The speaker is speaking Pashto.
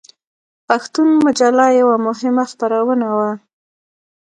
پښتون مجله یوه مهمه خپرونه وه.